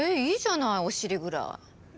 いいじゃないお尻ぐらい。